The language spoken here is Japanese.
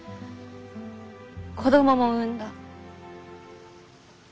子供も産んだ。